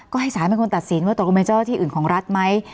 ก็ให้สารเป็นคนตัดสินว่าตกลงเป็นเจ้าหน้าที่อื่นของรัฐไหม